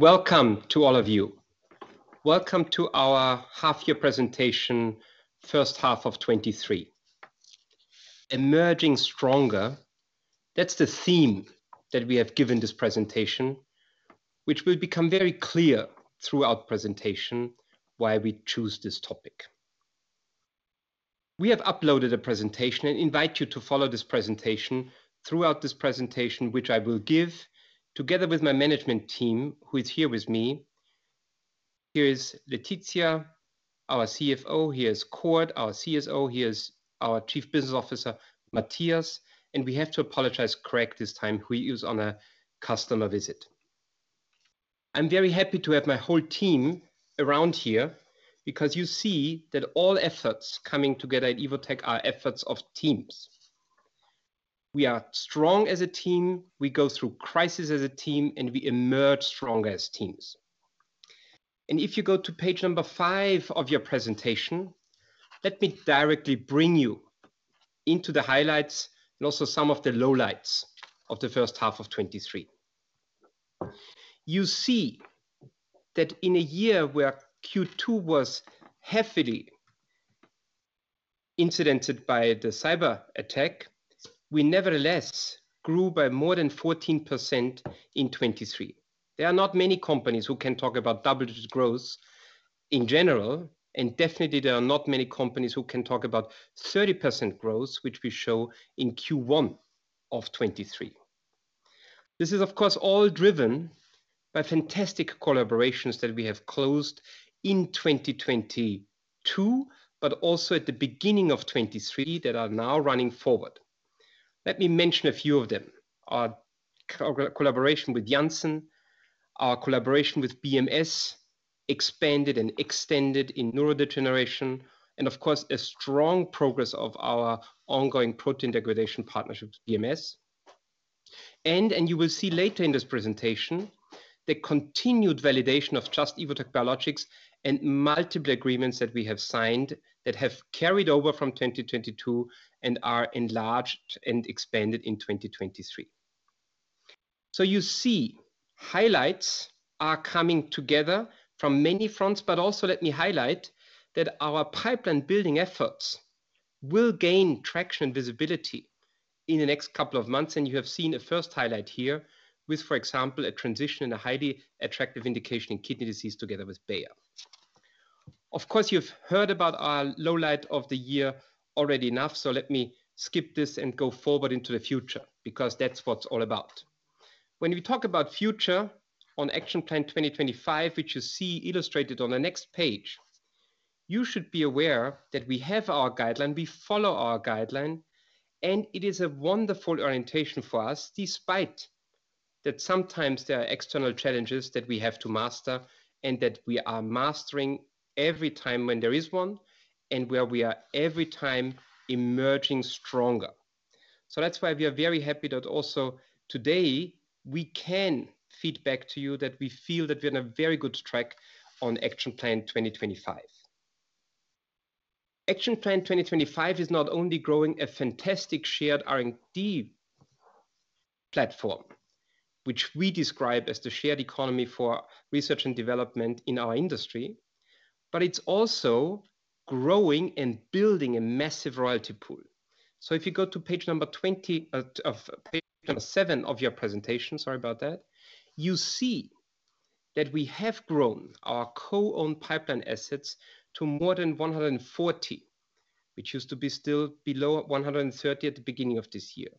Welcome to all of you. Welcome to our half-year presentation, first half of 2023. Emerging stronger, that's the theme that we have given this presentation, which will become very clear throughout presentation why we choose this topic. We have uploaded a presentation and invite you to follow this presentation throughout this presentation, which I will give together with my management team, who is here with me. Here is Laetitia, our CFO, here is Cord, our CSO, here is our Chief Business Officer, Matthias, and we have to apologize, Craig, this time, who is on a customer visit. I'm very happy to have my whole team around here because you see that all efforts coming together at Evotec are efforts of teams. We are strong as a team, we go through crisis as a team, and we emerge stronger as teams. And if you go to page five of your presentation, let me directly bring you into the highlights and also some of the lowlights of the first half of 2023. You see that in a year where Q2 was heavily incidented by the cyberattack, we nevertheless grew by more than 14% in 2023. There are not many companies who can talk about double-digit growth in general, and definitely there are not many companies who can talk about 30% growth, which we show in Q1 of 2023. This is, of course, all driven by fantastic collaborations that we have closed in 2022, but also at the beginning of 2023, that are now running forward. Let me mention a few of them. Our co-collaboration with Janssen, our collaboration with BMS expanded and extended in neurodegeneration, and of course, a strong progress of our ongoing protein degradation partnership with BMS. And, and you will see later in this presentation, the continued validation of Just – Evotec Biologics and multiple agreements that we have signed that have carried over from 2022 and are enlarged and expanded in 2023. So you see, highlights are coming together from many fronts, but also let me highlight that our pipeline-building efforts will gain traction and visibility in the next couple of months, and you have seen a first highlight here with, for example, a transition in a highly attractive indication in kidney disease together with Bayer. Of course, you've heard about our lowlight of the year already enough, so let me skip this and go forward into the future, because that's what it's all about. When we talk about future on Action Plan 2025, which you see illustrated on the next page, you should be aware that we have our guideline, we follow our guideline, and it is a wonderful orientation for us, despite that sometimes there are external challenges that we have to master and that we are mastering every time when there is one, and where we are every time emerging stronger. So that's why we are very happy that also today we can feed back to you that we feel that we're on a very good track on Action Plan 2025. Action Plan 2025 is not only growing a fantastic Shared R&D platform, which we describe as the shared economy for research and development in our industry, but it's also growing and building a massive royalty pool. If you go to page number 20, page number seven of your presentation, sorry about that, you see that we have grown our co-owned pipeline assets to more than 140, which used to be still below 130 at the beginning of this year.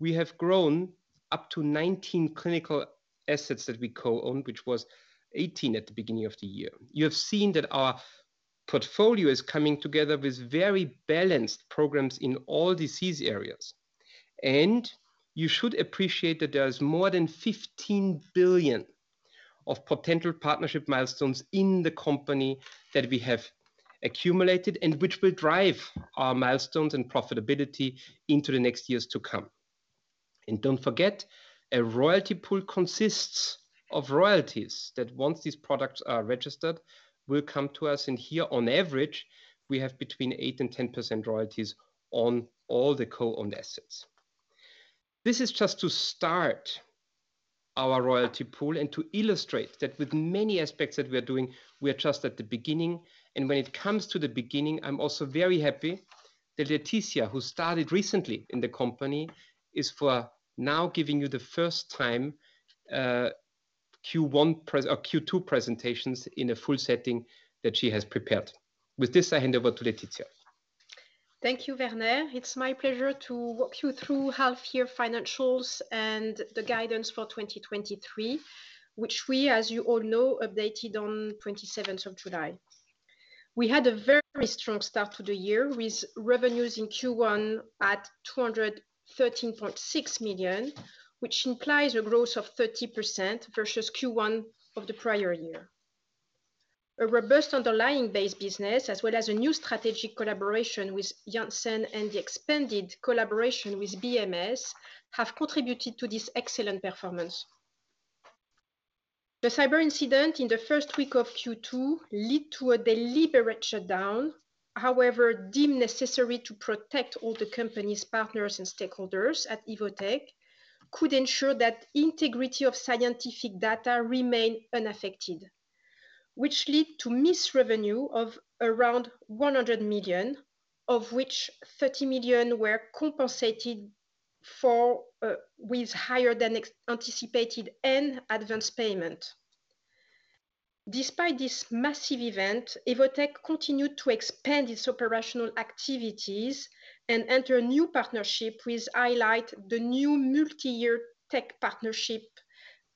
We have grown up to 19 clinical assets that we co-own, which was 18 at the beginning of the year. You have seen that our portfolio is coming together with very balanced programs in all disease areas, and you should appreciate that there's more than 15 billion of potential partnership milestones in the company that we have accumulated and which will drive our milestones and profitability into the next years to come. And don't forget, a royalty pool consists of royalties that, once these products are registered, will come to us. Here, on average, we have between 8% and 10% royalties on all the co-owned assets. This is just to start our royalty pool and to illustrate that with many aspects that we are doing, we are just at the beginning. When it comes to the beginning, I'm also very happy that Laetitia, who started recently in the company, is for now giving you the first time Q1 or Q2 presentations in a full setting that she has prepared. With this, I hand over to Laetitia. Thank you, Werner. It's my pleasure to walk you through half-year financials and the guidance for 2023, which we, as you all know, updated on 27th of July. We had a very strong start to the year, with revenues in Q1 at 213.6 million, which implies a growth of 30% versus Q1 of the prior year. A robust underlying base business, as well as a new strategic collaboration with Janssen and the expanded collaboration with BMS, have contributed to this excellent performance. The cyber incident in the first week of Q2 led to a deliberate shutdown. However, deemed necessary to protect all the company's partners and stakeholders at Evotec could ensure that integrity of scientific data remained unaffected, which led to missed revenue of around 100 million, of which 30 million were compensated for with higher than anticipated and advanced payment. Despite this massive event, Evotec continued to expand its operational activities and enter a new partnership with highlight the new multi-year tech partnership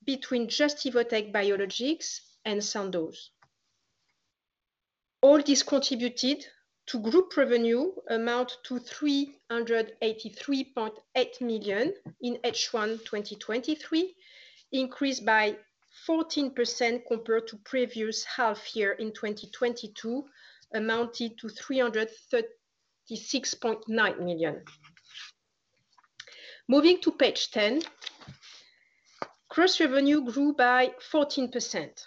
between Just – Evotec Biologics and Sandoz. All this contributed to group revenue amount to 383.8 million in H1 2023, increased by 14% compared to previous half year in 2022, amounted to EUR 336.9 million. Moving to page 10. Gross revenue grew by 14%,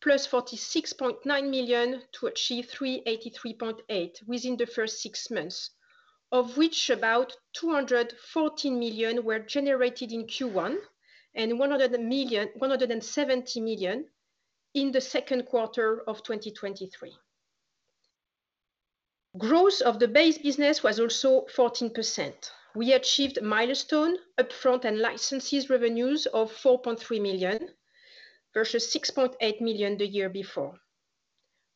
plus 46.9 million to achieve 383.8 within the first six months, of which about 214 million were generated in Q1, and 100 million- 170 million in the second quarter of 2023. Growth of the base business was also 14%. We achieved milestone, upfront, and licenses revenues of 4.3 million versus 6.8 million the year before.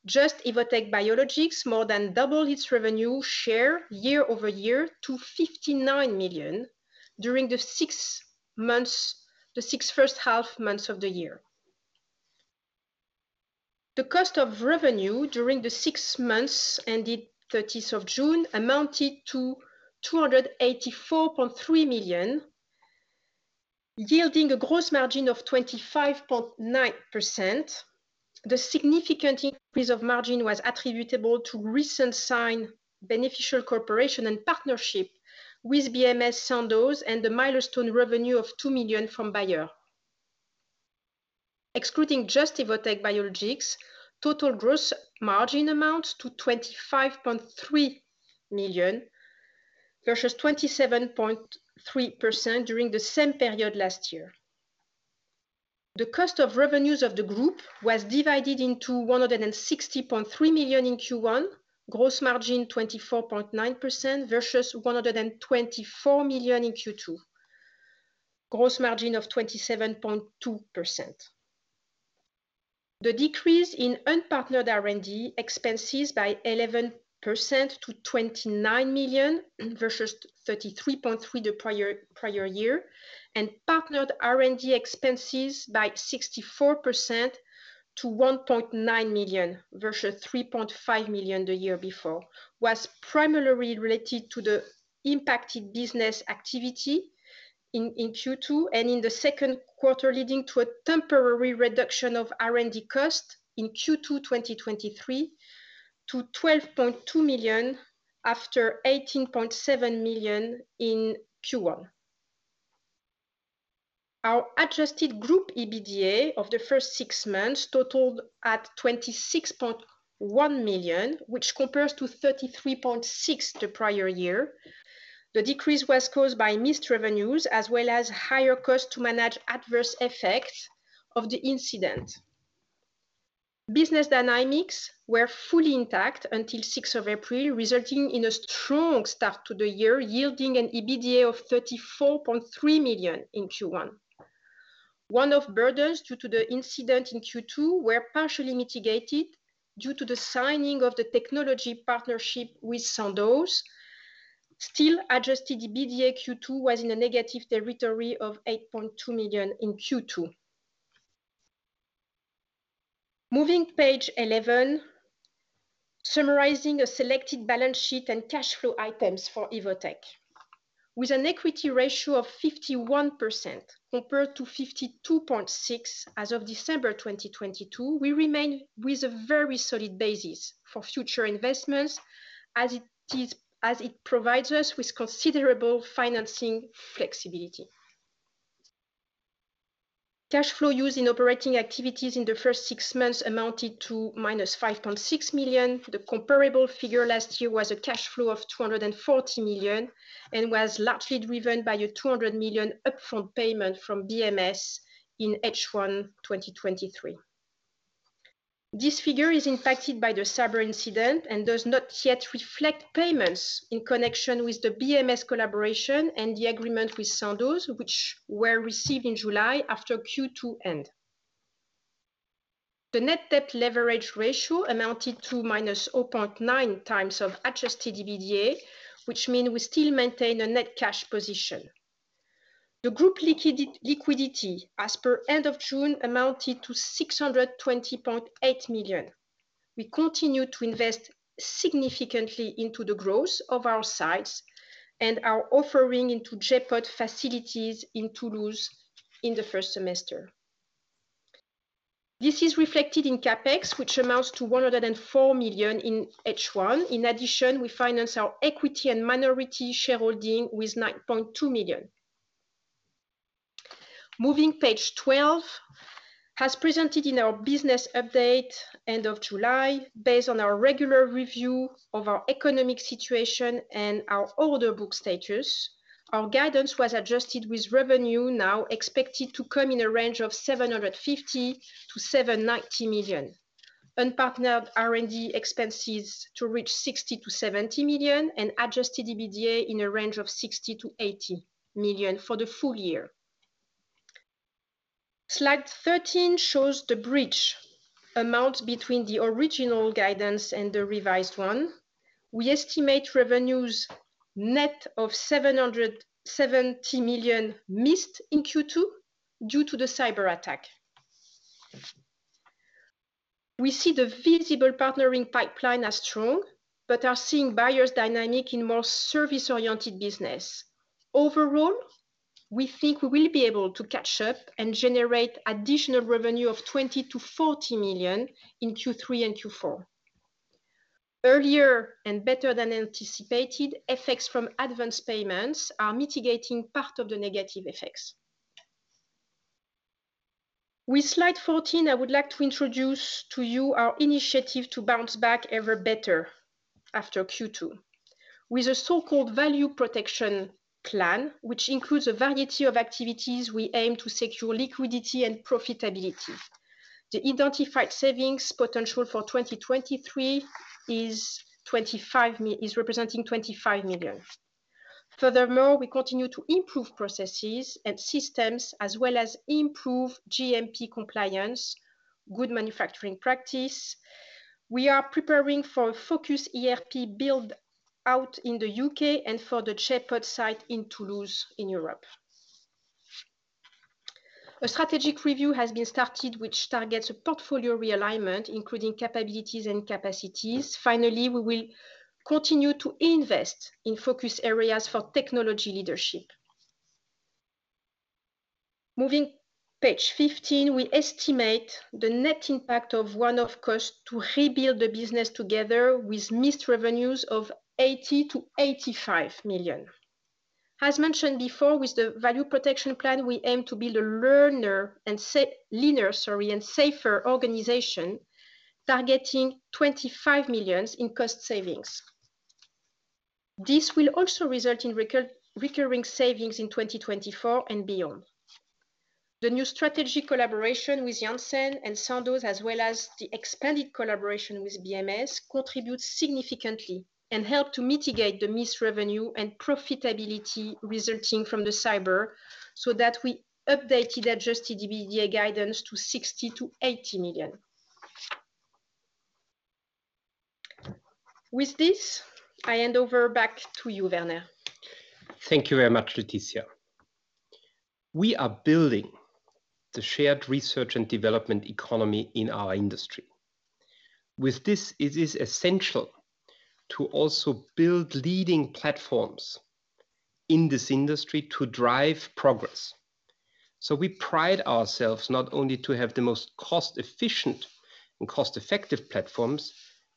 Just - Evotec Biologics more than doubled its revenue share year-over-year to 59 million during the first six months of the year. The cost of revenue during the six months ended thirtieth of June amounted to 284.3 million, yielding a gross margin of 25.9%. The significant increase of margin was attributable to recent signed beneficial cooperation and partnership with BMS, Sandoz and the milestone revenue of 2 million from Bayer. Excluding Just - Evotec Biologics, total gross margin amounts to 25.3%, versus 27.3% during the same period last year. The cost of revenues of the group was 160.3 million in Q1, gross margin 24.9%, versus 124 million in Q2, gross margin of 27.2%. The decrease in unpartnered R&D expenses by 11% to 29 million, versus 33.3 the prior year, and partnered R&D expenses by 64% to 1.9 million, versus 3.5 million the year before, was primarily related to the impacted business activity in Q2 and in the second quarter, leading to a temporary reduction of R&D cost in Q2 2023 to 12.2 million after 18.7 million in Q1. Our adjusted group EBITDA of the first six months totaled at 26.1 million, which compares to 33.6 the prior year. The decrease was caused by missed revenues, as well as higher costs to manage adverse effects of the incident. Business dynamics were fully intact until sixth of April, resulting in a strong start to the year, yielding an EBITDA of 34.3 million in Q1. One-off burdens due to the incident in Q2 were partially mitigated due to the signing of the technology partnership with Sandoz. Still, adjusted EBITDA Q2 was in a negative territory of 8.2 million in Q2. Moving page 11, summarizing a selected balance sheet and cash flow items for Evotec. With an equity ratio of 51% compared to 52.6% as of December 2022, we remain with a very solid basis for future investments, as it provides us with considerable financing flexibility. Cash flow used in operating activities in the first six months amounted to -5.6 million. The comparable figure last year was a cash flow of 240 million and was largely driven by a 200 million upfront payment from BMS in H1 2023. This figure is impacted by the cyber incident and does not yet reflect payments in connection with the BMS collaboration and the agreement with Sandoz, which were received in July after Q2 end. The net debt leverage ratio amounted to -0.9 times of adjusted EBITDA, which means we still maintain a net cash position. The group liquidity as per end of June amounted to 620.8 million. We continue to invest significantly into the growth of our sites and our offering into J.POD facilities in Toulouse in the first semester. This is reflected in CapEx, which amounts to 104 million in H1. In addition, we finance our equity and minority shareholding with 9.2 million. Moving to page 12. As presented in our business update end of July, based on our regular review of our economic situation and our order book status, our guidance was adjusted, with revenue now expected to come in a range of 750 million-790 million. Unpartnered R&D expenses to reach 60 million-70 million, and adjusted EBITDA in a range of 60 million-80 million for the full year. Slide 13 shows the bridge amount between the original guidance and the revised one. We estimate revenues net of 770 million missed in Q2 due to the cyberattack. We see the visible partnering pipeline as strong, but are seeing buyer dynamics in more service-oriented business. Overall, we think we will be able to catch up and generate additional revenue of 20 million-40 million in Q3 and Q4. Earlier and better than anticipated effects from advanced payments are mitigating part of the negative effects. With slide 14, I would like to introduce to you our initiative to bounce back ever better after Q2. With a so-called Value Protection Plan, which includes a variety of activities, we aim to secure liquidity and profitability. The identified savings potential for 2023 is 25 million. Furthermore, we continue to improve processes and systems, as well as improve GMP compliance, good manufacturing practice. We are preparing for a focused ERP build-out in the U.K. and for the J.POD site in Toulouse, in Europe. A strategic review has been started, which targets a portfolio realignment, including capabilities and capacities. Finally, we will continue to invest in focus areas for technology leadership. Moving page 15, we estimate the net impact of one-off cost to rebuild the business together with missed revenues of 80 million-85 million. As mentioned before, with the value protection plan, we aim to build a leaner and safer organization, targeting 25 million in cost savings. This will also result in recurring savings in 2024 and beyond. The new strategic collaboration with Janssen and Sandoz, as well as the expanded collaboration with BMS, contributes significantly and help to mitigate the missed revenue and profitability resulting from the cyber so that we updated adjusted EBITDA guidance to 60 million-80 million. With this, I hand over back to you, Werner. Thank you very much, Laetitia. We are building the shared research and development economy in our industry. With this, it is essential to also build leading platforms in this industry to drive progress. So we pride ourselves not only to have the most cost-efficient and cost-effective platforms,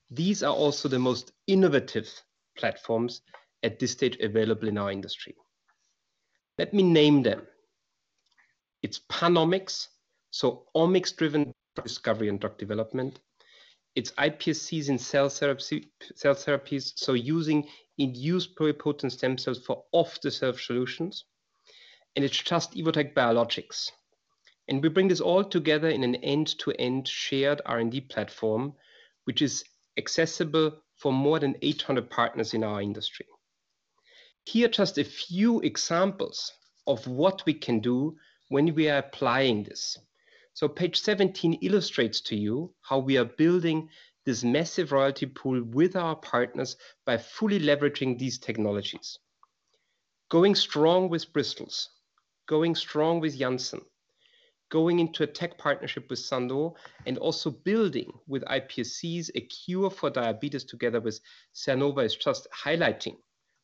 these are also the most innovative platforms at this stage available in our industry. Let me name them. It's PanOmics, so omics-driven discovery and drug development. It's iPSCs in cell therapy, cell therapies, so using induced pluripotent stem cells for off-the-shelf solutions. And it's Just – Evotec Biologics. And we bring this all together in an End-to-End Shared R&D platform, which is accessible for more than 800 partners in our industry. Here are just a few examples of what we can do when we are applying this. So page 17 illustrates to you how we are building this massive royalty pool with our partners by fully leveraging these technologies. Going strong with Bristol's, going strong with Janssen, going into a tech partnership with Sandoz, and also building with iPSCs a cure for diabetes together with Sanofi, is just highlighting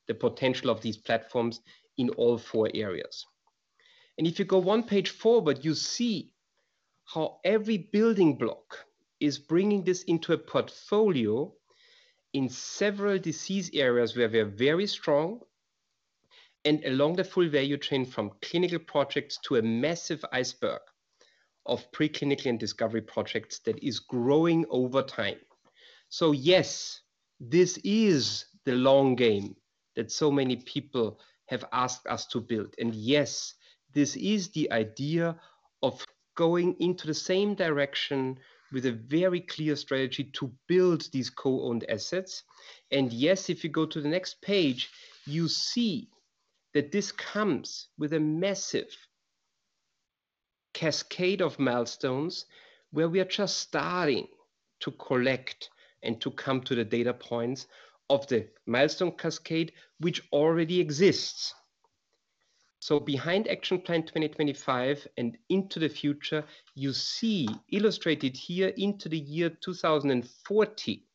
the potential of these platforms in all four areas. And if you go one page forward, you see how every building block is bringing this into a portfolio in several disease areas where we are very strong and along the full value chain from clinical projects to a massive iceberg of preclinical and discovery projects that is growing over time. So yes, this is the long game that so many people have asked us to build. And yes, this is the idea of going into the same direction with a very clear strategy to build these co-owned assets. Yes, if you go to the next page, you see that this comes with a massive cascade of milestones where we are just starting to collect and to come to the data points of the milestone cascade, which already exists. So behind Action Plan 2025 and into the future, you see illustrated here into the year 2040,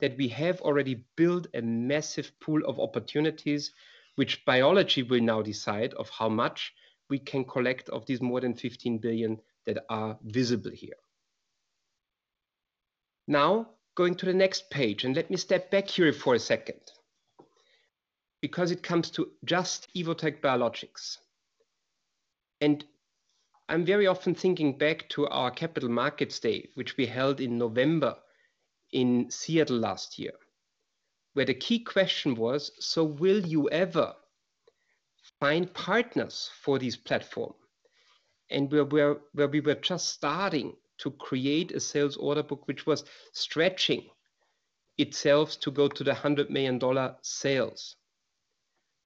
that we have already built a massive pool of opportunities, which biology will now decide of how much we can collect of these more than 15 billion that are visible here. Now, going to the next page, and let me step back here for a second because it comes to Just – Evotec Biologics. I'm very often thinking back to our Capital Markets Day, which we held in November in Seattle last year, where the key question was: So will you ever find partners for this platform? And where we were just starting to create a sales order book, which was stretching itself to go to $100 million sales.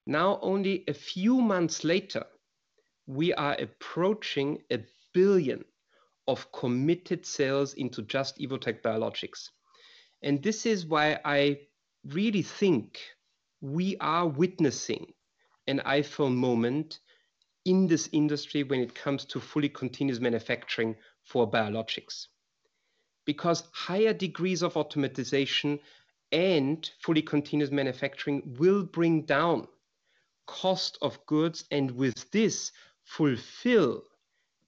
Now, only a few months later, we are approaching $1 billion of committed sales into Just – Evotec Biologics. And this is why I really think we are witnessing an iPhone moment in this industry when it comes to fully continuous manufacturing for biologics. Because higher degrees of automation and fully continuous manufacturing will bring down cost of goods, and with this, fulfill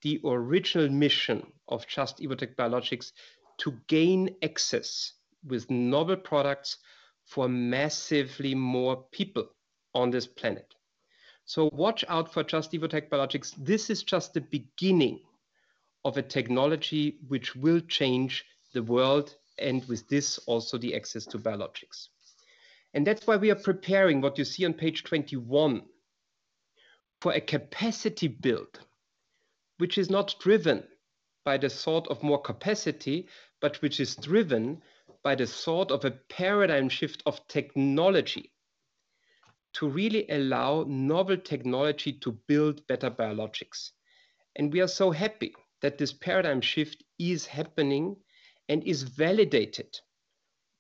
the original mission of Just – Evotec Biologics to gain access with novel products for massively more people on this planet. So watch out for Just – Evotec Biologics. This is just the beginning of a technology which will change the world, and with this, also the access to biologics. That's why we are preparing what you see on page 21 for a capacity build, which is not driven by the thought of more capacity, but which is driven by the thought of a paradigm shift of technology to really allow novel technology to build better biologics. We are so happy that this paradigm shift is happening and is validated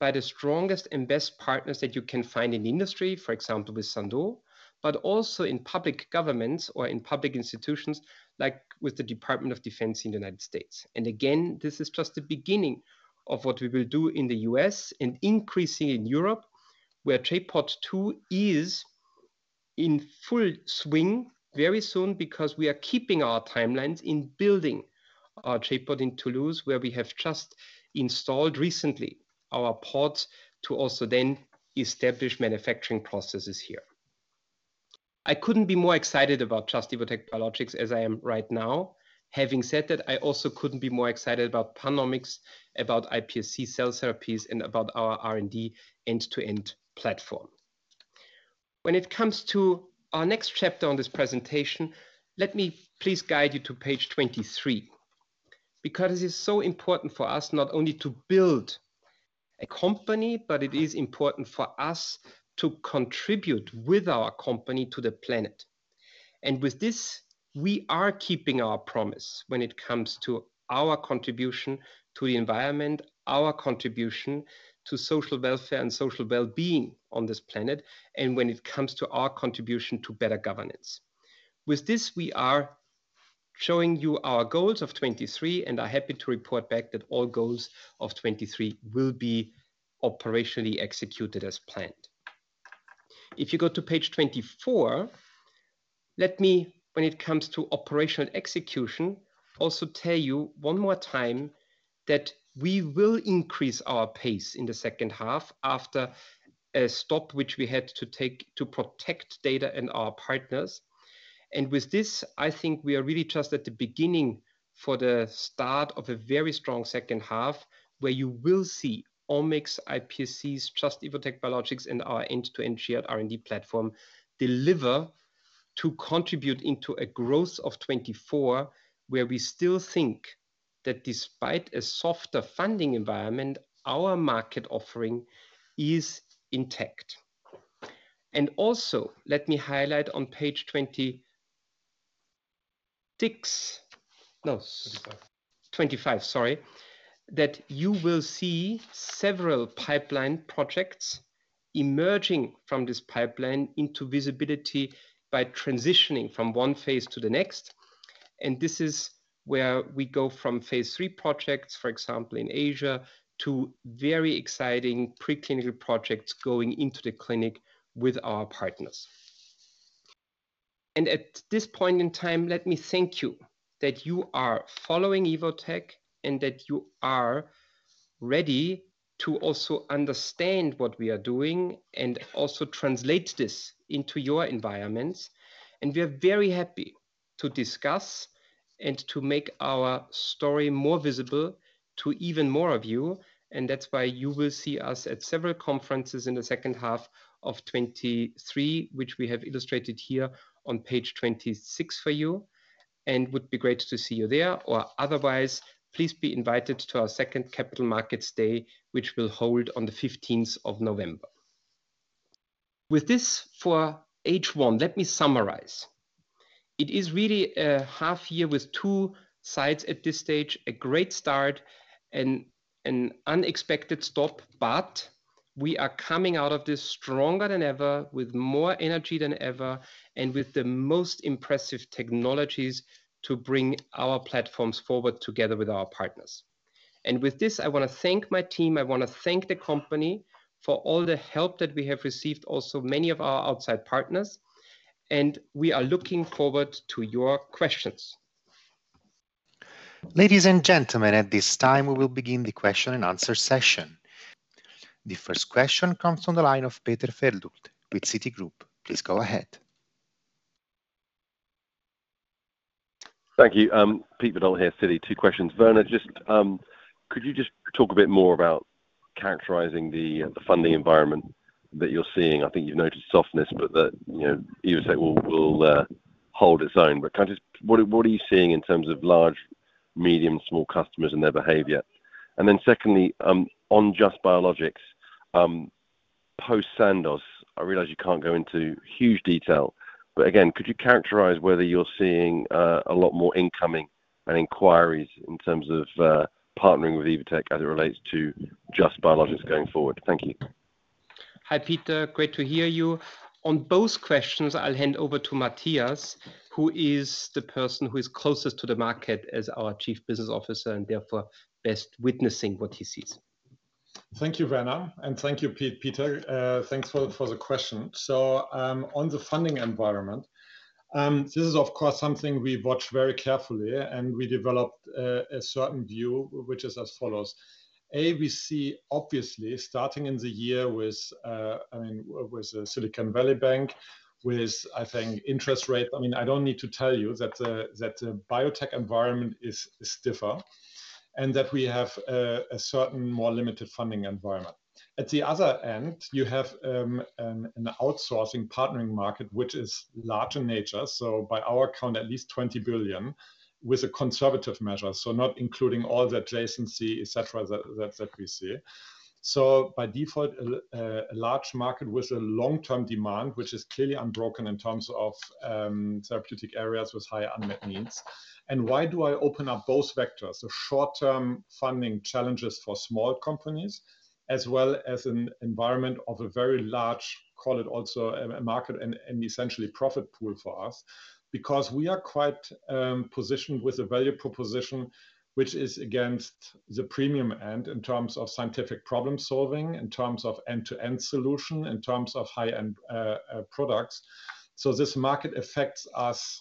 by the strongest and best partners that you can find in the industry, for example, with Sandoz, but also in public governments or in public institutions, like with the Department of Defense in the United States. And again, this is just the beginning of what we will do in the U.S. and increasing in Europe, where J.POD 2 is in full swing very soon because we are keeping our timelines in building our J.POD in Toulouse, where we have just installed recently our pods to also then establish manufacturing processes here. I couldn't be more excited about Just – Evotec Biologics as I am right now. Having said that, I also couldn't be more excited about PanOmics, about iPSC cell therapies, and about our R&D End-to-End platform. When it comes to our next chapter on this presentation, let me please guide you to page 23, because it is so important for us not only to build a company, but it is important for us to contribute with our company to the planet. And with this, we are keeping our promise when it comes to our contribution to the environment, our contribution to social welfare and social wellbeing on this planet, and when it comes to our contribution to better governance. With this, we are showing you our goals of 2023, and I'm happy to report back that all goals of 2023 will be operationally executed as planned. If you go to page 24, let me, when it comes to operational execution, also tell you one more time that we will increase our pace in the second half after a stop, which we had to take to protect data and our partners. And with this, I think we are really just at the beginning for the start of a very strong second half, where you will see Omics, iPSCs, Just – Evotec Biologics, and our End-to-End Shared R&D platform deliver to contribute into a growth of 2024, where we still think that despite a softer funding environment, our market offering is intact. And also, let me highlight on page 26... No- 25. 25, sorry, that you will see several pipeline projects emerging from this pipeline into visibility by transitioning from one phase to the next. This is where we go from phase III projects, for example, in Asia, to very exciting preclinical projects going into the clinic with our partners. At this point in time, let me thank you that you are following Evotec and that you are ready to also understand what we are doing and also translate this into your environments. We are very happy to discuss and to make our story more visible to even more of you, and that's why you will see us at several conferences in the second half of 2023, which we have illustrated here on page 26 for you, and would be great to see you there. Or otherwise, please be invited to our second Capital Markets Day, which we'll hold on the 15th of November. With this for H1, let me summarize. It is really a half year with two sides at this stage, a great start and an unexpected stop, but we are coming out of this stronger than ever, with more energy than ever, and with the most impressive technologies to bring our platforms forward together with our partners. And with this, I wanna thank my team, I wanna thank the company for all the help that we have received, also many of our outside partners, and we are looking forward to your questions.... Ladies and gentlemen, at this time, we will begin the question and answer session. The first question comes on the line of Peter Verdult with Citigroup. Please go ahead. Thank you. Peter Verdult here, Citi. Two questions. Werner, just, could you just talk a bit more about characterizing the funding environment that you're seeing? I think you've noticed softness, but that, you know, Evotec will hold its own. But can I just, what are you seeing in terms of large, medium, small customers and their behavior? And then secondly, on just biologics, post-Sandoz, I realize you can't go into huge detail, but again, could you characterize whether you're seeing a lot more incoming and inquiries in terms of partnering with Evotec as it relates to just biologics going forward? Thank you. Hi, Peter. Great to hear you. On both questions, I'll hand over to Matthias, who is the person who is closest to the market as our Chief Business Officer, and therefore, best witnessing what he sees. Thank you, Werner, and thank you, Peter. Thanks for the question. So, on the funding environment, this is, of course, something we watch very carefully, and we developed a certain view, which is as follows: We see obviously starting in the year with, I mean, with Silicon Valley Bank, with interest rate... I mean, I don't need to tell you that the biotech environment is stiffer, and that we have a certain more limited funding environment. At the other end, you have an outsourcing partnering market, which is large in nature, so by our count, at least $20 billion, with a conservative measure, so not including all the adjacency, etc., that we see. So by default, a large market with a long-term demand, which is clearly unbroken in terms of therapeutic areas with high unmet needs. And why do I open up both vectors? The short-term funding challenges for small companies, as well as an environment of a very large, call it also a market and essentially profit pool for us. Because we are quite positioned with a value proposition, which is against the premium end in terms of scientific problem-solving, in terms of end-to-end solution, in terms of high-end products. So this market affects us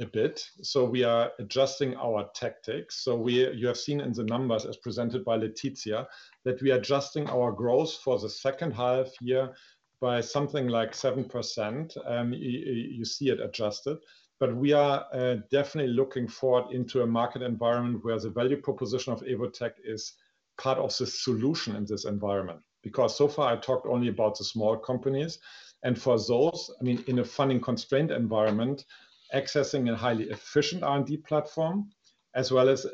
a bit, so we are adjusting our tactics. So you have seen in the numbers as presented by Laetitia, that we are adjusting our growth for the second half year by something like 7%, you see it adjusted. But we are definitely looking forward into a market environment where the value proposition of Evotec is part of the solution in this environment. Because so far I've talked only about the small companies, and for those, I mean, in a funding-constrained environment, accessing a highly efficient R&D platform, as well as,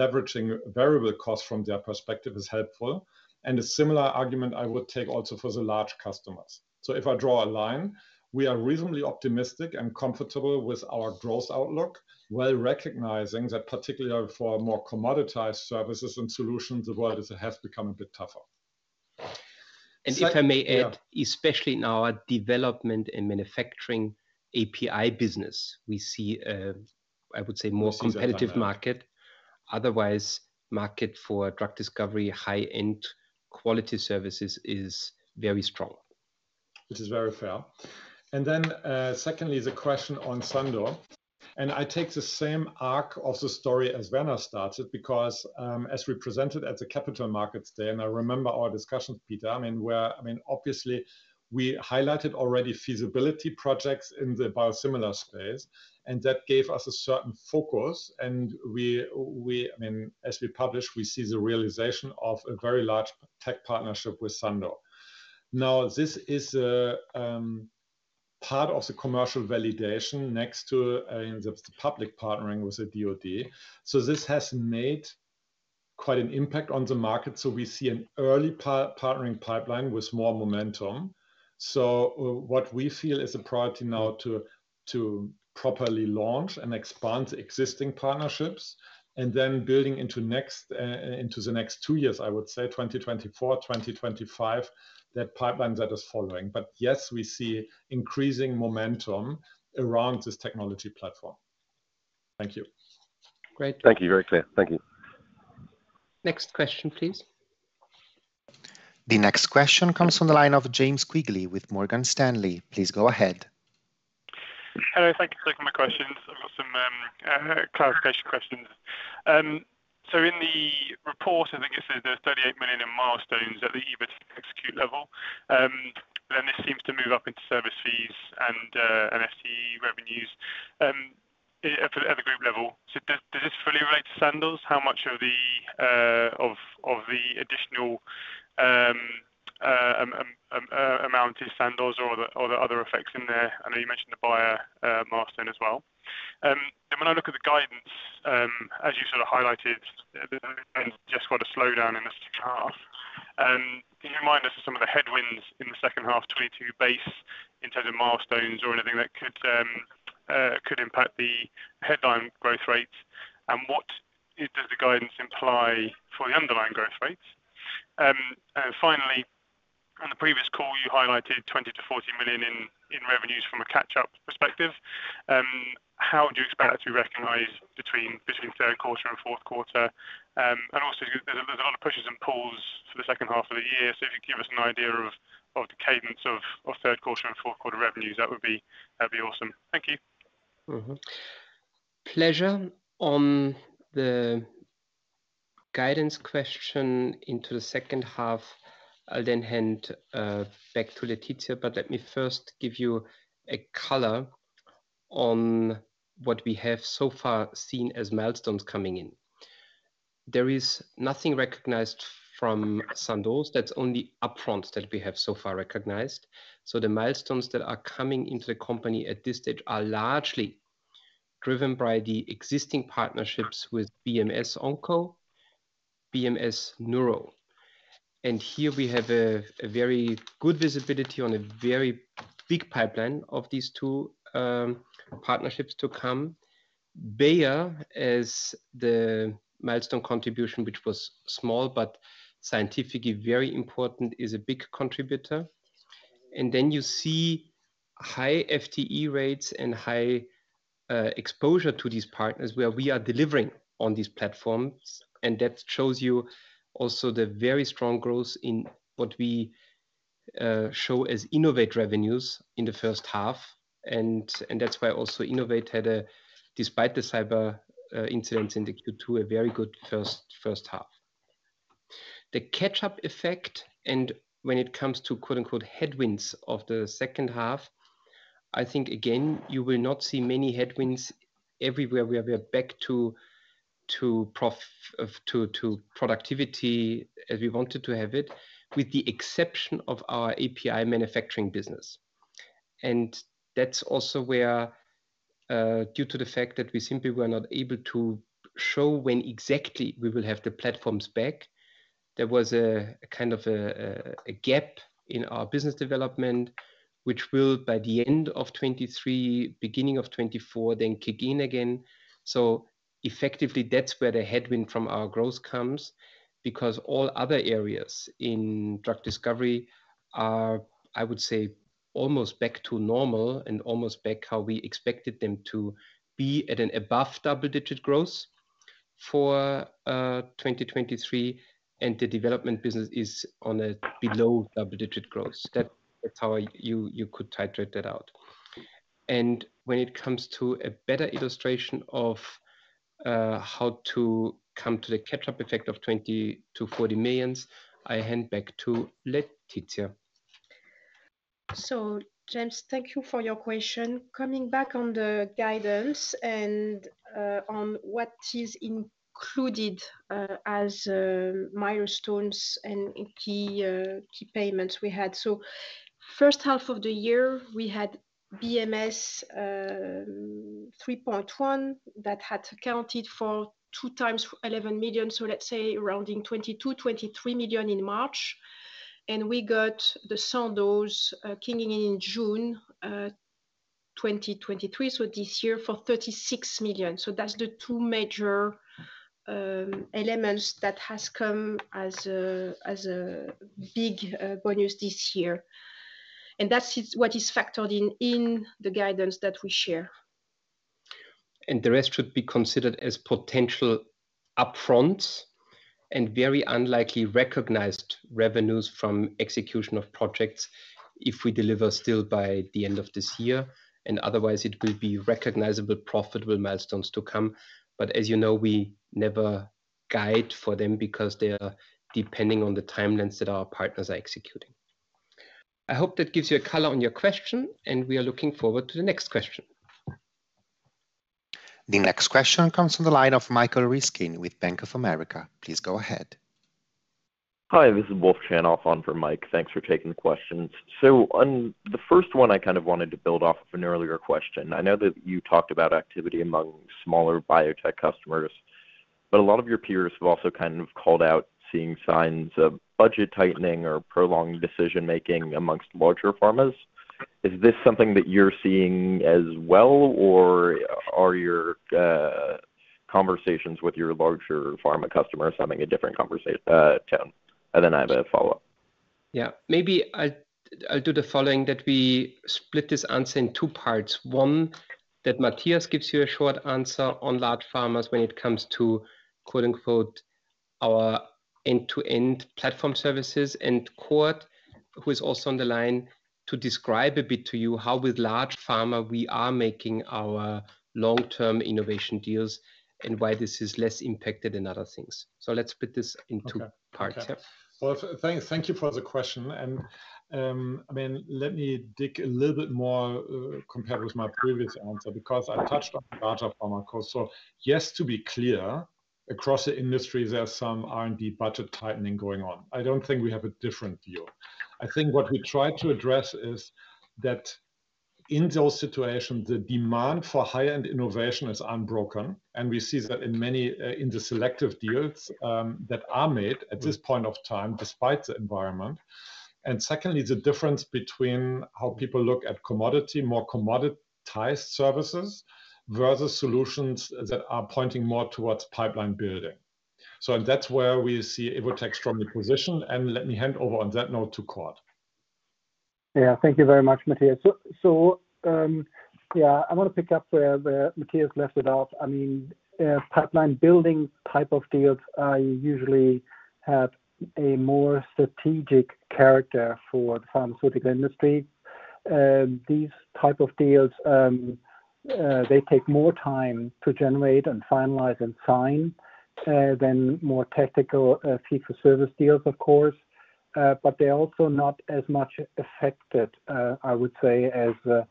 leveraging variable costs from their perspective is helpful, and a similar argument I would take also for the large customers. So if I draw a line, we are reasonably optimistic and comfortable with our growth outlook, while recognizing that particularly for more commoditized services and solutions, the world has become a bit tougher. And if I may add, especially in our development and manufacturing API business, we see a, I would say, more competitive market. Otherwise, market for drug discovery, high-end quality services is very strong. Which is very fair. And then, secondly, the question on Sandoz, and I take the same arc of the story as Werner started, because, as we presented at the Capital Markets Day, and I remember our discussions, Peter, I mean, obviously, we highlighted already feasibility projects in the biosimilar space, and that gave us a certain focus, and we I mean, as we publish, we see the realization of a very large tech partnership with Sandoz. Now, this is a part of the commercial validation next to, I mean, the public partnering with the DoD. So this has made quite an impact on the market, so we see an early partnering pipeline with more momentum. So what we feel is a priority now to properly launch and expand existing partnerships, and then building into next, into the next two years, I would say 2024, 2025, that pipeline that is following. But yes, we see increasing momentum around this technology platform. Thank you. Great. Thank you. Very clear. Thank you. Next question, please. The next question comes from the line of James Quigley with Morgan Stanley. Please go ahead. Hello, thank you for taking my questions. I've got some clarification questions. So in the report, I think you said there's EUR 38 million in milestones at the Evotec Execute level, then this seems to move up into service fees and FTE revenues at the group level. So does this fully relate to Sandoz? How much of the additional amount is Sandoz or the other effects in there? I know you mentioned the Bayer milestone as well. Then when I look at the guidance, as you sort of highlighted, and just got a slowdown in the second half, can you remind us of some of the headwinds in the second half 2022 base, in terms of milestones or anything that could impact the headline growth rates? And what does the guidance imply for the underlying growth rates? And finally, on the previous call, you highlighted 20 million-40 million in revenues from a catch-up perspective. How would you expect that to be recognized between third quarter and fourth quarter? And also there's a lot of pushes and pulls for the second half of the year. So if you give us an idea of the cadence of third quarter and fourth quarter revenues, that would be awesome. Thank you. Mm-hmm. Pleasure. On the guidance question into the second half, I'll then hand back to Laetitia, but let me first give you a color on what we have so far seen as milestones coming in. There is nothing recognized from Sandoz. That's only upfront that we have so far recognized. So the milestones that are coming into the company at this stage are largely driven by the existing partnerships with BMS Onco, BMS Neuro. And here we have a very good visibility on a very big pipeline of these two partnerships to come. Bayer, as the milestone contribution, which was small but scientifically very important, is a big contributor. And then you see high FTE rates and high exposure to these partners where we are delivering on these platforms, and that shows you also the very strong growth in what we show as Innovate revenues in the first half. And that's why also Innovate had a despite the cyber incidents in the Q2, a very good first half. The catch-up effect, and when it comes to, quote, unquote, "headwinds" of the second half, I think, again, you will not see many headwinds. Everywhere we are back to productivity as we wanted to have it, with the exception of our API manufacturing business. And that's also where, due to the fact that we simply were not able to show when exactly we will have the platforms back, there was a kind of gap in our business development, which will, by the end of 2023, beginning of 2024, then kick in again. So effectively, that's where the headwind from our growth comes, because all other areas in drug discovery are, I would say, almost back to normal and almost back how we expected them to be at an above double-digit growth for 2023, and the development business is on a below double-digit growth. That's how you could titrate that out. And when it comes to a better illustration of how to come to the catch-up effect of 20 million-40 million, I hand back to Laetitia. So James, thank you for your question. Coming back on the guidance and on what is included as milestones and key key payments we had. So first half of the year, we had BMS 3.1 that had accounted for two times 11 million, so let's say rounding 22-23 million in March. And we got the Sandoz kicking in in June 2023, so this year, for 36 million. So that's the two major elements that has come as a as a big bonus this year. And that is what is factored in in the guidance that we share. The rest should be considered as potential upfronts and very unlikely recognized revenues from execution of projects if we deliver still by the end of this year, and otherwise, it will be recognizable, profitable milestones to come. As you know, we never guide for them because they are depending on the timelines that our partners are executing. I hope that gives you a color on your question, and we are looking forward to the next question. The next question comes from the line of Michael Ryskin with Bank of America. Please go ahead. Hi, this is Wolf Chanoff on for Mike. Thanks for taking the questions. On the first one, I kind of wanted to build off of an earlier question. I know that you talked about activity among smaller biotech customers, but a lot of your peers have also kind of called out seeing signs of budget tightening or prolonged decision-making amongst larger pharmas. Is this something that you're seeing as well, or are your conversations with your larger pharma customers having a different conversation tone? And then I have a follow-up. Yeah. Maybe I'll do the following, that we split this answer in two parts. One, that Matthias gives you a short answer on large pharmas when it comes to, quote, unquote, "our End-to-End Platform services." And Cord, who is also on the line, to describe a bit to you how with large pharma, we are making our long-term innovation deals and why this is less impacted than other things. So let's split this into two parts. Okay. Well, thank you for the question, and, I mean, let me dig a little bit more, compared with my previous answer, because I touched on the larger pharma cost. So yes, to be clear, across the industry, there are some R&D budget tightening going on. I don't think we have a different view. I think what we try to address is that in those situations, the demand for high-end innovation is unbroken, and we see that in many, in the selective deals, that are made at this point of time, despite the environment. And secondly, the difference between how people look at commodity, more commoditized services versus solutions that are pointing more towards pipeline building. So and that's where we see Evotec's strong position, and let me hand over on that note to Cord.... Yeah, thank you very much, Matthias. So, yeah, I want to pick up where Matthias left it off. I mean, pipeline building type of deals usually have a more strategic character for the pharmaceutical industry. These type of deals they take more time to generate and finalize and sign than more tactical fee-for-service deals, of course. But they're also not as much affected, I would say, as the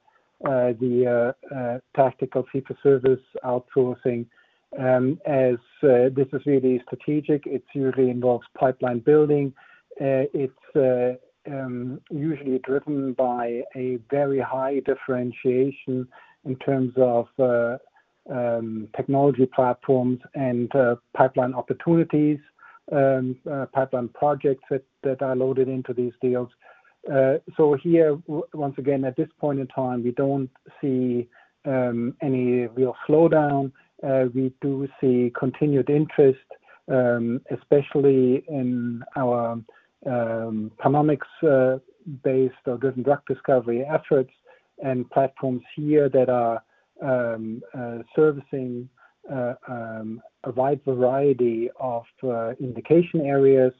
tactical fee-for-service outsourcing. As this is really strategic, it usually involves pipeline building. It's usually driven by a very high differentiation in terms of technology platforms and pipeline opportunities, pipeline projects that are loaded into these deals. So here, once again, at this point in time, we don't see any real slowdown. We do see continued interest, especially in our Omics-based drug discovery efforts and platforms here that are servicing a wide variety of indication areas.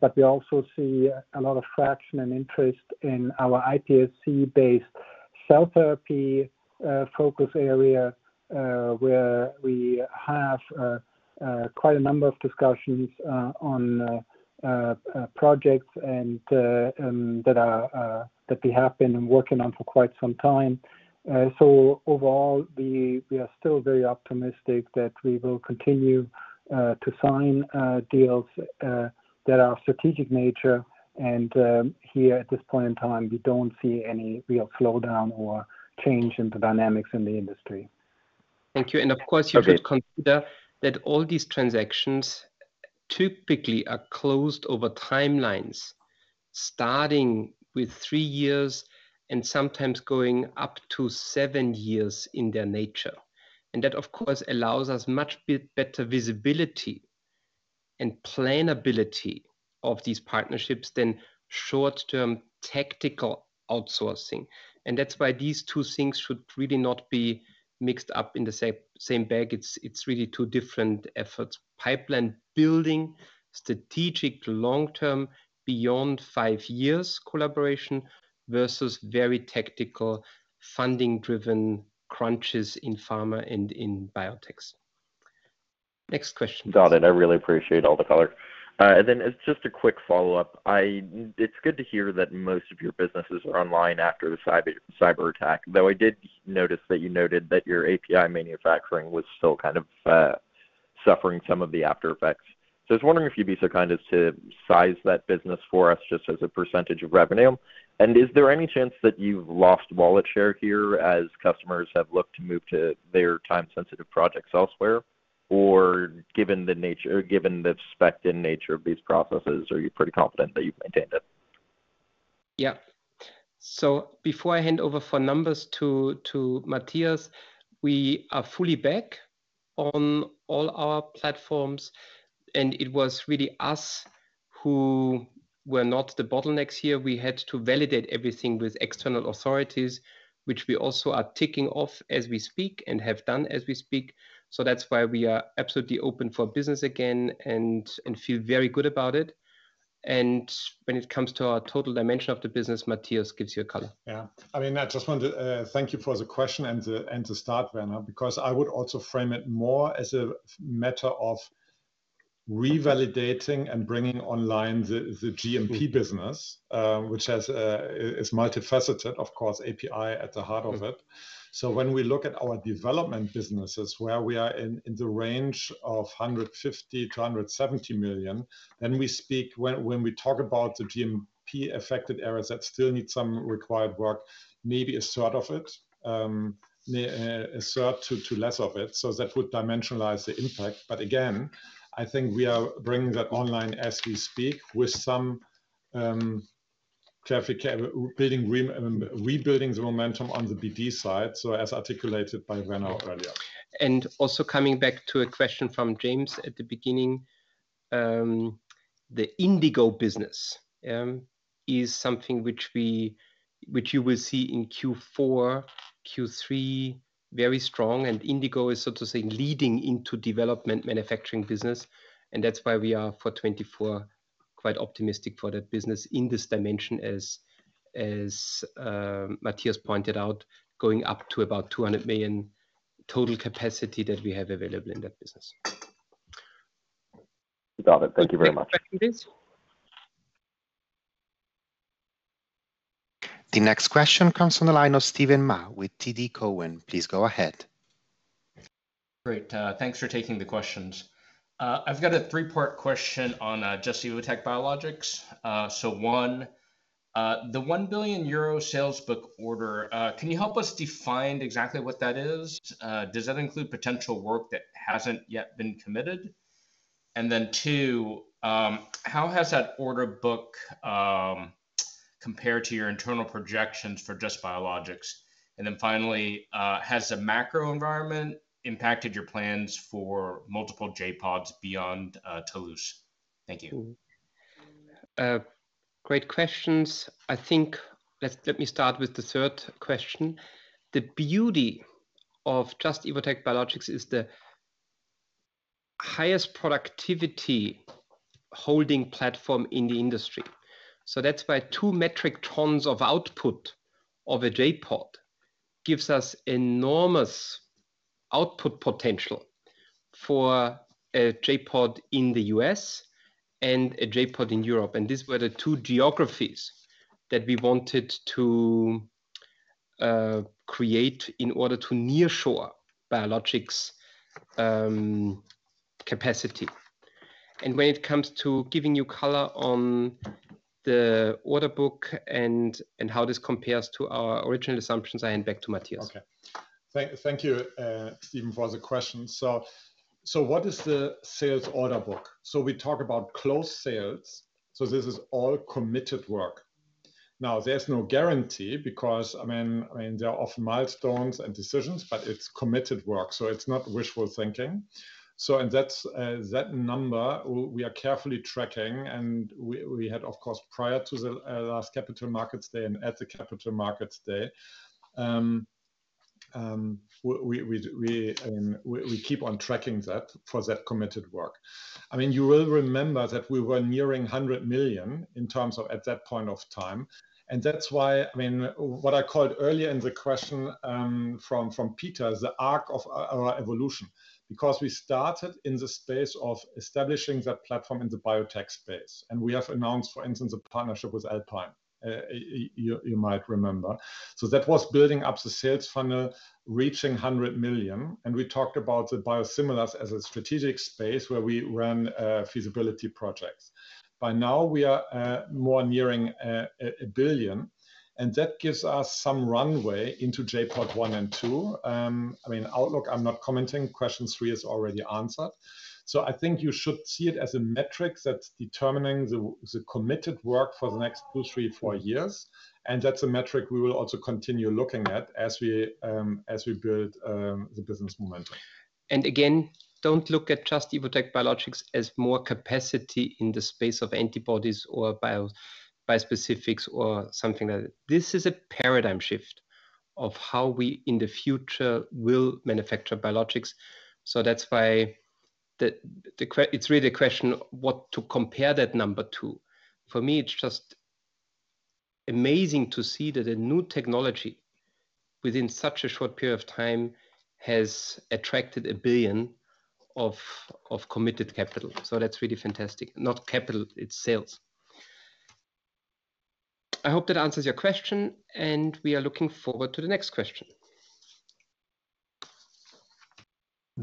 But we also see a lot of traction and interest in our iPSC-based cell therapy focus area, where we have quite a number of discussions on projects and that we have been working on for quite some time. So overall, we are still very optimistic that we will continue to sign deals that are of strategic nature. And here, at this point in time, we don't see any real slowdown or change in the dynamics in the industry. Thank you. And of course- Okay... you should consider that all these transactions typically are closed over timelines, starting with three years and sometimes going up to seven years in their nature. And that, of course, allows us much better visibility and plannability of these partnerships than short-term tactical outsourcing. And that's why these two things should really not be mixed up in the same, same bag. It's, it's really two different efforts. Pipeline building, strategic, long-term, beyond five years collaboration, versus very tactical, funding-driven crunches in pharma and in biotechs. Next question. Got it. I really appreciate all the color. And then it's just a quick follow-up. I... It's good to hear that most of your businesses are online after the cyberattack, though I did notice that you noted that your API manufacturing was still kind of suffering some of the aftereffects. So I was wondering if you'd be so kind as to size that business for us, just as a percentage of revenue. And is there any chance that you've lost wallet share here as customers have looked to move to their time-sensitive projects elsewhere? Or given the nature—or given the specific nature of these processes, are you pretty confident that you've maintained it? Yeah. So before I hand over for numbers to Matthias, we are fully back on all our platforms, and it was really us who were not the bottlenecks here. We had to validate everything with external authorities, which we also are ticking off as we speak and have done as we speak. So that's why we are absolutely open for business again and feel very good about it. And when it comes to our total dimension of the business, Matthias gives you a color. Yeah. I mean, I just want to thank you for the question and the start, Werner, because I would also frame it more as a matter of revalidating and bringing online the GMP business, which is multifaceted, of course, API at the heart of it. So when we look at our development businesses, where we are in the range of 150 million-170 million, then when we talk about the GMP-affected areas that still need some required work, maybe a third of it, a third to less of it. So that would dimensionalize the impact. But again, I think we are bringing that online as we speak, with some careful building, rebuilding the momentum on the BD side, so as articulated by Werner earlier. Also coming back to a question from James at the beginning, the INDiGO business is something which you will see in Q4, Q3 very strong, and INDiGO is, so to say, leading into development manufacturing business. That's why we are, for 2024, quite optimistic for that business in this dimension as Matthias pointed out, going up to about 200 million total capacity that we have available in that business. Got it. Thank you very much. Any questions? The next question comes on the line of Steven Mah with TD Cowen. Please go ahead. Great, thanks for taking the questions. I've got a three-part question on Just – Evotec Biologics. So one, the 1 billion euro sales book order, can you help us define exactly what that is? Does that include potential work that hasn't yet been committed? And then two, how has that order book compared to your internal projections for Just – Evotec Biologics? And then finally, has the macro environment impacted your plans for multiple J.PODs beyond Toulouse? Thank you. Great questions. I think, let me start with the third question. The beauty of Just – Evotec Biologics is the highest productivity holding platform in the industry. So that's why 2 metric tons of output of a J.POD gives us enormous output potential for a J.POD in the U.S. and a J.POD in Europe, and these were the two geographies that we wanted to create in order to nearshore biologics capacity. And when it comes to giving you color on the order book and how this compares to our original assumptions, I hand back to Matthias. Okay. Thank you, Steven, for the question. So, what is the sales order book? So we talk about closed sales, so this is all committed work. Now, there's no guarantee because, I mean, there are often milestones and decisions, but it's committed work, so it's not wishful thinking. So and that's that number, we are carefully tracking, and we had, of course, prior to the last Capital Markets Day and at the Capital Markets Day, we, I mean, we keep on tracking that for that committed work. I mean, you will remember that we were nearing 100 million in terms of at that point of time, and that's why, I mean, what I called earlier in the question from Peter, is the arc of our evolution, because we started in the space of establishing that platform in the biotech space, and we have announced, for instance, a partnership with Alpine, you might remember. So that was building up the sales funnel, reaching 100 million, and we talked about the biosimilars as a strategic space where we ran feasibility projects. By now, we are more nearing a 1 billion, and that gives us some runway into J.POD 1 and 2. I mean, outlook, I'm not commenting. Question three is already answered. So I think you should see it as a metric that's determining the committed work for the next two, three, four years, and that's a metric we will also continue looking at as we, as we build the business momentum. Again, don't look at Just – Evotec Biologics as more capacity in the space of antibodies or bispecifics or something like that. This is a paradigm shift of how we, in the future, will manufacture biologics. So that's why it's really a question of what to compare that number to. For me, it's just amazing to see that a new technology within such a short period of time has attracted 1 billion of committed capital. So that's really fantastic. Not capital, it's sales. I hope that answers your question, and we are looking forward to the next question.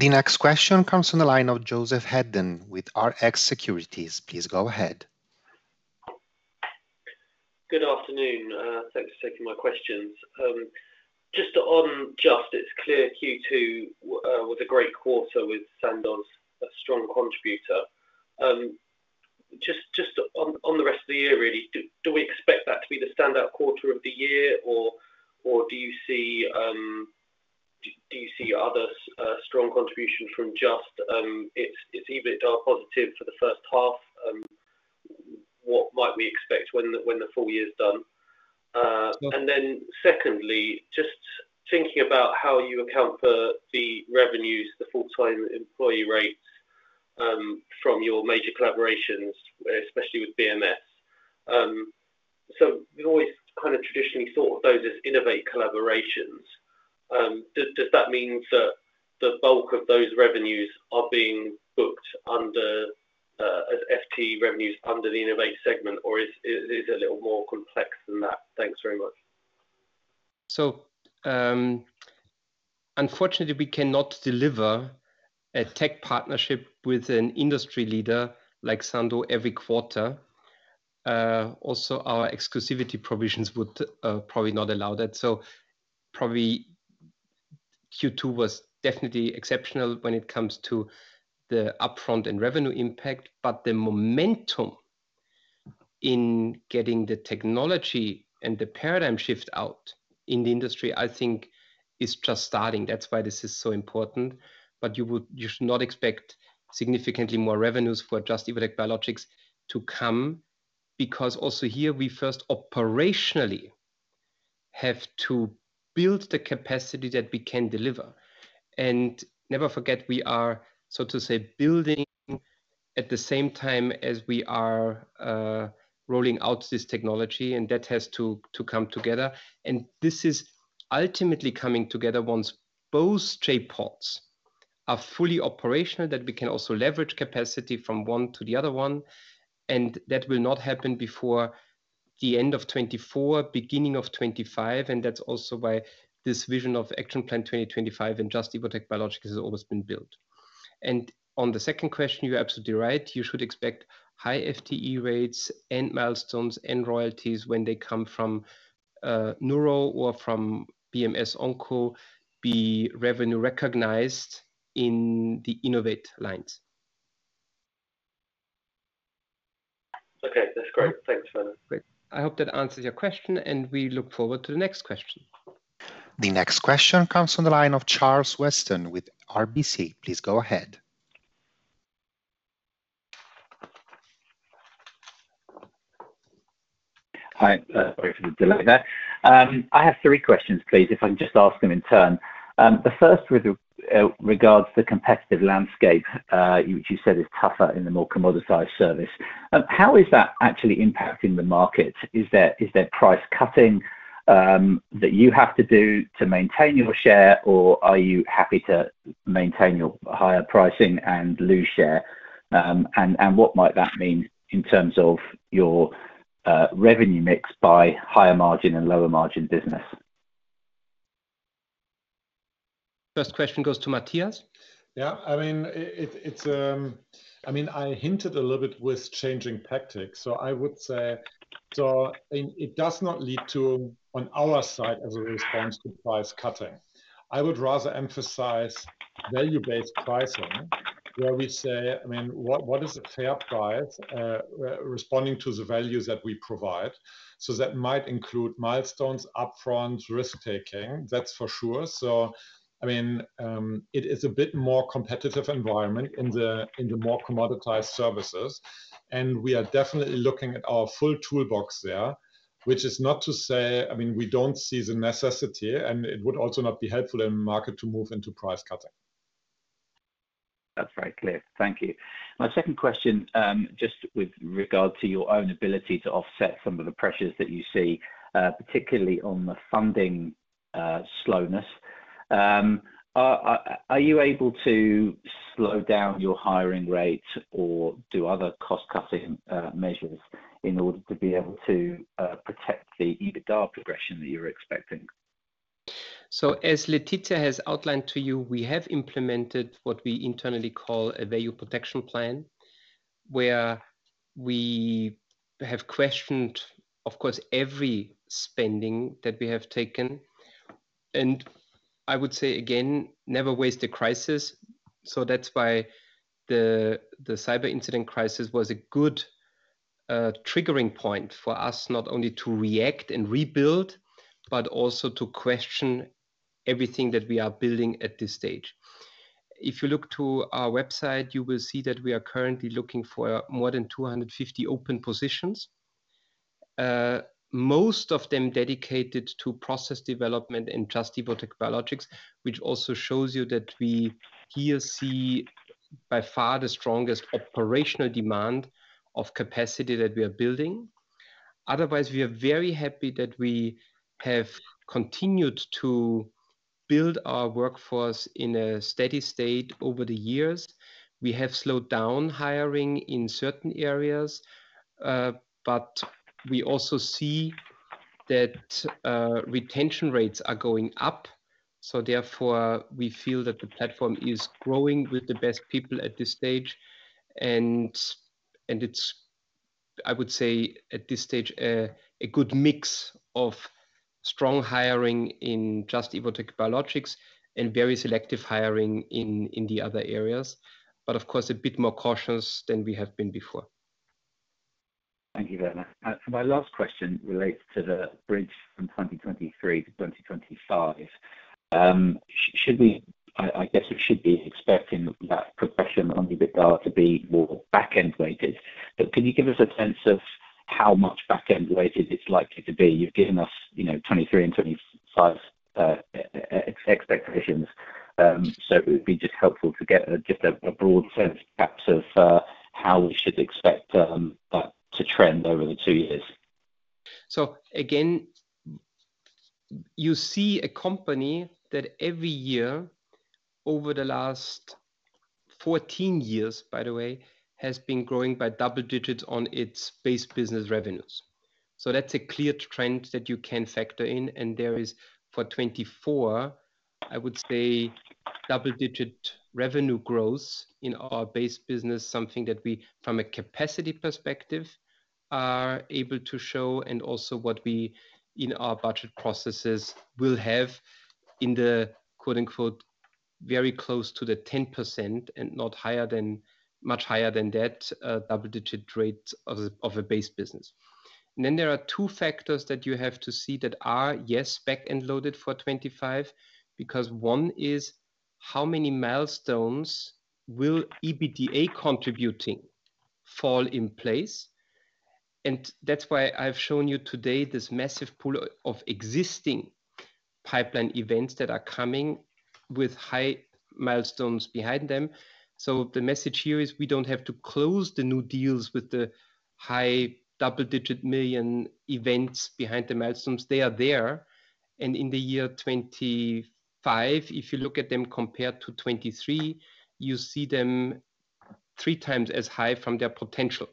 The next question comes from the line of Joseph Hedden with Rx Securities. Please go ahead. Good afternoon. Thanks for taking my questions. Just on Just, it's clear Q2 was a great quarter with Sandoz a strong contributor. Just on the rest of the year really, do we expect that to be the standout quarter of the year, or do you see other strong contributions from Just? It's EBITDA positive for the first half. What might we expect when the full year is done? Mm. Then secondly, just thinking about how you account for the revenues, the full-time employee rates from your major collaborations, especially with BMS. So we've always kind of traditionally thought of those as Innovate collaborations. Does that mean that the bulk of those revenues are being booked under as FTE revenues under the Innovate segment, or is it a little more complex than that? Thanks very much. Unfortunately, we cannot deliver a tech partnership with an industry leader like Sandoz every quarter. Also, our exclusivity provisions would probably not allow that. Probably Q2 was definitely exceptional when it comes to the upfront and revenue impact, but the momentum in getting the technology and the paradigm shift out in the industry, I think is just starting. That's why this is so important. But you would- you should not expect significantly more revenues for Just - Evotec Biologics to come, because also here, we first operationally have to build the capacity that we can deliver. Never forget, we are, so to say, building at the same time as we are rolling out this technology, and that has to come together. This is ultimately coming together once both J.Pods are fully operational, that we can also leverage capacity from one to the other one, and that will not happen before the end of 2024, beginning of 2025. And that's also why this vision of Action Plan 2025 and Just - Evotec Biologics has always been built. And on the second question, you're absolutely right. You should expect high FTE rates and milestones and royalties when they come from BMS Neuro or from BMS Onco, be revenue recognized in the innovate lines.... Great. Thanks, Werner. Great. I hope that answers your question, and we look forward to the next question. The next question comes from the line of Charles Weston with RBC. Please go ahead. Hi, sorry for the delay there. I have three questions, please, if I can just ask them in turn. The first with regards the competitive landscape, which you said is tougher in the more commoditized service. How is that actually impacting the market? Is there price cutting that you have to do to maintain your share, or are you happy to maintain your higher pricing and lose share? And what might that mean in terms of your revenue mix by higher margin and lower margin business? First question goes to Matthias. Yeah, I mean, it's... I mean, I hinted a little bit with changing tactics, so I would say, so it does not lead to, on our side, as a response to price cutting. I would rather emphasize value-based pricing, where we say, "I mean, what is a fair price, responding to the values that we provide?" So that might include milestones, upfront risk-taking, that's for sure. So I mean, it is a bit more competitive environment in the more commoditized services, and we are definitely looking at our full toolbox there, which is not to say... I mean, we don't see the necessity, and it would also not be helpful in the market to move into price cutting. That's very clear. Thank you. My second question, just with regard to your own ability to offset some of the pressures that you see, particularly on the funding slowness. Are you able to slow down your hiring rate or do other cost-cutting measures in order to be able to protect the EBITDA progression that you're expecting? So, as Laetitia has outlined to you, we have implemented what we internally call a Value Protection Plan, where we have questioned, of course, every spending that we have taken, and I would say again, never waste a crisis. So that's why the cyber incident crisis was a good triggering point for us, not only to react and rebuild, but also to question everything that we are building at this stage. If you look to our website, you will see that we are currently looking for more than 250 open positions. Most of them dedicated to process development and Just – Evotec Biologics, which also shows you that we here see by far the strongest operational demand of capacity that we are building. Otherwise, we are very happy that we have continued to build our workforce in a steady state over the years. We have slowed down hiring in certain areas, but we also see that retention rates are going up, so therefore, we feel that the platform is growing with the best people at this stage. And it's, I would say, at this stage, a good mix of strong hiring in Just – Evotec Biologics and very selective hiring in the other areas, but of course, a bit more cautious than we have been before. Thank you, Werner. My last question relates to the BRIDGE from 2023 to 2025. Should we—I guess we should be expecting that progression on EBITDA to be more back-end weighted, but can you give us a sense of how much back-end weighted it's likely to be? You've given us, you know, 2023 and 2025 expectations. So it would be just helpful to get a just a broad sense perhaps of how we should expect that to trend over the two years. So again, you see a company that every year, over the last 14 years, by the way, has been growing by double digits on its base business revenues. So that's a clear trend that you can factor in, and there is, for 2024, I would say double-digit revenue growth in our base business, something that we, from a capacity perspective, are able to show and also what we, in our budget processes, will have in the quote, unquote, "very close to the 10%" and not higher than much higher than that, double-digit rate of a, of a base business. And then there are two factors that you have to see that are, yes, back-end loaded for 2025, because one is how many milestones will EBITDA contributing fall in place? And that's why I've shown you today this massive pool of existing pipeline events that are coming with high milestones behind them. So the message here is, we don't have to close the new deals with the high double-digit million events behind the milestones. They are there, and in the year 2025, if you look at them compared to 2023, you see them three times as high from their potential.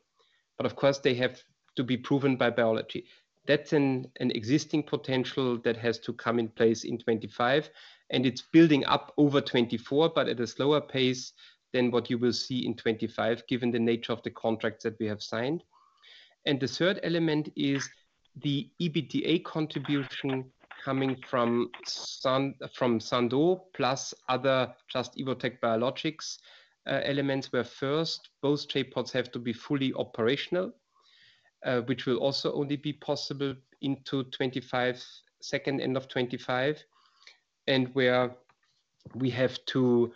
But of course, they have to be proven by biology. That's an existing potential that has to come in place in 2025, and it's building up over 2024, but at a slower pace than what you will see in 2025, given the nature of the contracts that we have signed. And the third element is-... The EBITDA contribution coming from Sandoz, plus other Just – Evotec Biologics elements, where first both J.PODs have to be fully operational, which will also only be possible into 2025, second end of 2025. And where we have to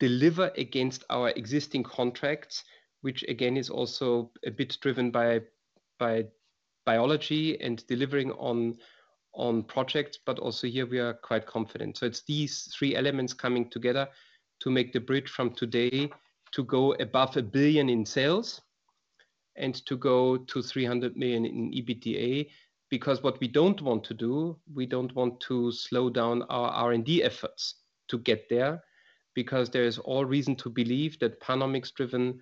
deliver against our existing contracts, which again is also a bit driven by biology and delivering on projects, but also here we are quite confident. So it's these three elements coming together to make the bridge from today to go above 1 billion in sales and to go to 300 million in EBITDA. Because what we don't want to do, we don't want to slow down our R&D efforts to get there, because there is all reason to believe that PanOmics-driven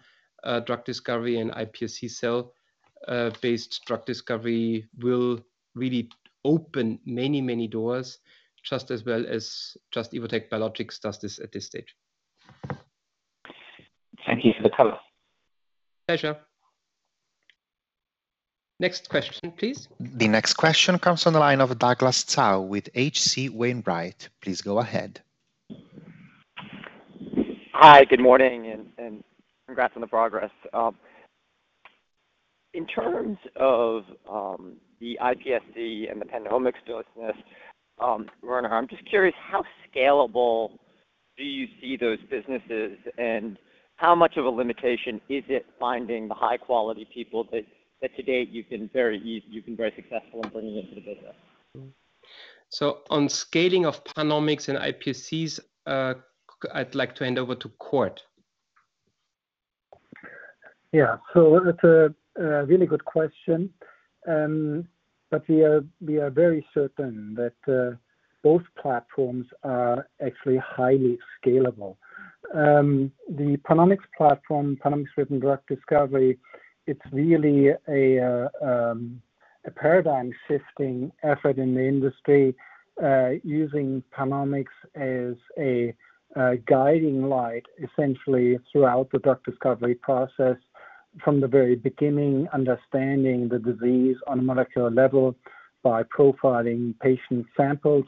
drug discovery and iPSC cell-based drug discovery will really open many, many doors just as well as Just – Evotec Biologics does this at this stage. Thank you for the color. Pleasure. Next question, please. The next question comes on the line of Douglas Tsao with H.C. Wainwright. Please go ahead. Hi, good morning, and congrats on the progress. In terms of the iPSC and the PanOmics business, Werner, I'm just curious, how scalable do you see those businesses, and how much of a limitation is it finding the high-quality people that to date you've been very successful in bringing into the business? So on scaling of PanOmics and iPSCs, I'd like to hand over to Cord. Yeah. So that's a really good question. But we are very certain that both platforms are actually highly scalable. The PanOmics platform, PanOmics-driven drug discovery, it's really a paradigm-shifting effort in the industry, using PanOmics as a guiding light essentially throughout the drug discovery process. From the very beginning, understanding the disease on a molecular level by profiling patient samples,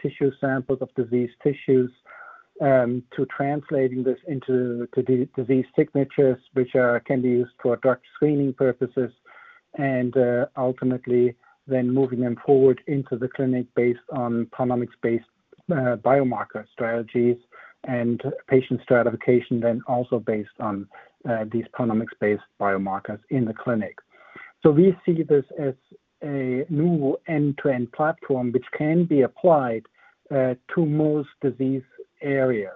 tissue samples of diseased tissues, to translating this into disease signatures, which can be used for drug screening purposes. And ultimately then moving them forward into the clinic based on PanOmics-based biomarker strategies and patient stratification, then also based on these PanOmics-based biomarker in the clinic. So we see this as a new end-to-end platform which can be applied to most disease areas.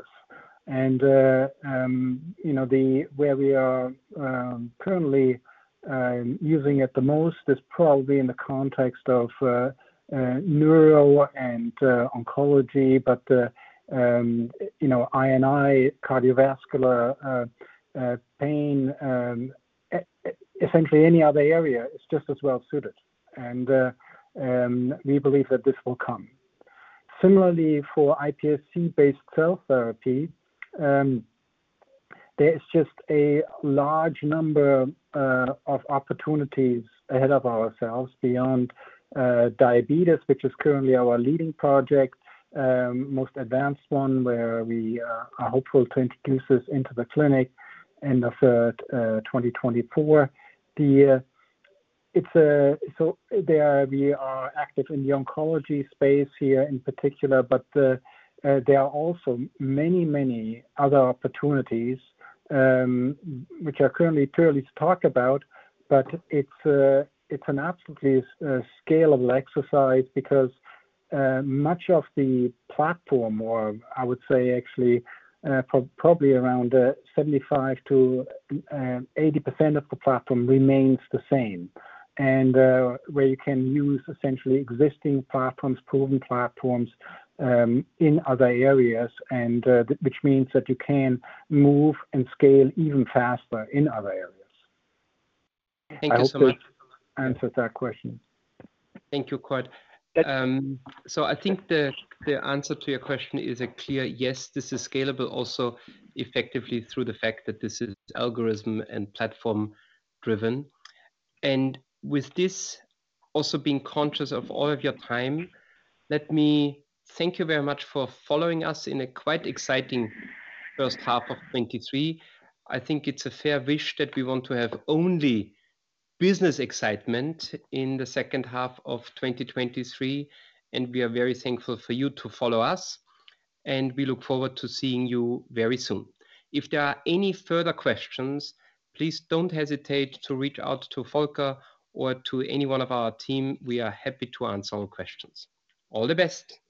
You know, the where we are currently using it the most is probably in the context of neuro and oncology, but you know, INDiGO, cardiovascular, pain, essentially any other area is just as well suited, and we believe that this will come. Similarly for iPSC-based cell therapy, there's just a large number of opportunities ahead of ourselves beyond diabetes, which is currently our leading project, most advanced one, where we are hopeful to introduce this into the clinic end of year 2024. It's so there we are active in the oncology space here in particular, but there are also many, many other opportunities which are currently too early to talk about. But it's an absolutely scalable exercise because much of the platform or I would say actually probably around 75%-80% of the platform remains the same, and where you can use essentially existing platforms, proven platforms in other areas, and which means that you can move and scale even faster in other areas. Thank you so much. I hope this answered that question. Thank you, Cord. Yeah. So I think the answer to your question is a clear yes, this is scalable also effectively through the fact that this is algorithm and platform-driven. With this, also being conscious of all of your time, let me thank you very much for following us in a quite exciting first half of 2023. I think it's a fair wish that we want to have only business excitement in the second half of 2023, and we are very thankful for you to follow us, and we look forward to seeing you very soon. If there are any further questions, please don't hesitate to reach out to Volker or to any one of our team. We are happy to answer all questions. All the best!